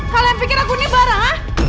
kalian pikir aku ini barang